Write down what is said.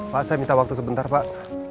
pak saya minta waktu sebentar pak